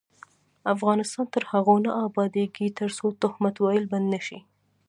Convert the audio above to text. افغانستان تر هغو نه ابادیږي، ترڅو تهمت ویل بند نشي.